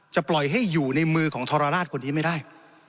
ปล่อยให้อยู่ในมือของทรราชคนนี้ไม่ได้